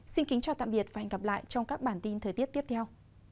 xin kính chào tạm biệt và hẹn gặp lại trong các bản tin thời tiết tiếp theo